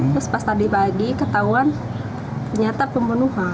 terus pas tadi pagi ketahuan ternyata pembunuhan